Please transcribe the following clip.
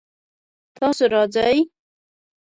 تاسو راځئ؟